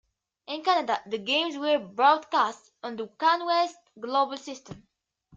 In Canada, the games were broadcast on the CanWest Global System.